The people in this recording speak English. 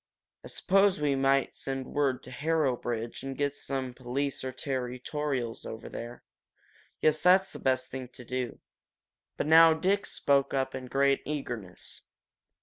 I suppose we might send word to Harobridge and get some police or some territorials over. Yes, that's the best thing to do." But now Dick spoke up in great eagerness.